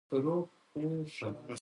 واک د قانون تر څار لاندې وي.